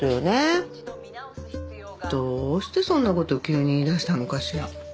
どうしてそんな事急に言い出したのかしら。